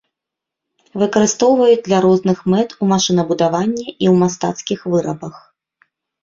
Выкарыстоўваюць для розных мэт у машынабудаванні і ў мастацкіх вырабах.